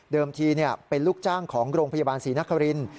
ทีเป็นลูกจ้างของโรงพยาบาลศรีนครินทร์